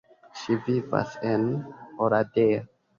Ŝi vivas en Oradea.